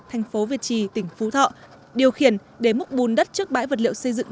thành phố việt trì tỉnh phú thọ điều khiển để múc bùn đất trước bãi vật liệu xây dựng